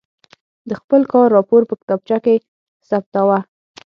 د خپل کار راپور په کتابچه کې ثبتاوه.